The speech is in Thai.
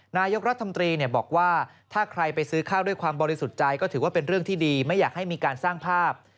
นายกรัฐมนตรีบอกว่าถ้าใครไปซื้อข้าวด้วยความบริสุทธิ์ใจก็ถือว่าเป็นเรื่องที่ดีไม่อยากให้มีการสร้างภาพ